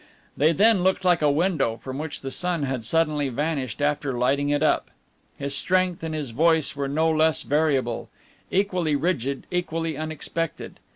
They then looked like a window from which the sun had suddenly vanished after lighting it up. His strength and his voice were no less variable; equally rigid, equally unexpected.